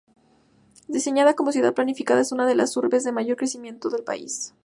Diseñada como ciudad planificada, es una de las urbes de mayor crecimiento del país.